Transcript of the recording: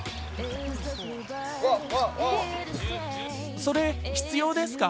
それ、必要ですか？